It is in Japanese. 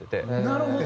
なるほど。